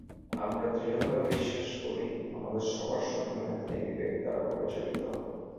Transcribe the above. আমরা দৃঢ়ভাবে বিশ্বাস করি, আমাদের সবার সম্মানে তিনি বিবেক দ্বারা পরিচালিত হবেন।